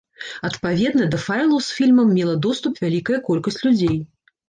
Адпаведна, да файлаў з фільмам мела доступ вялікая колькасць людзей.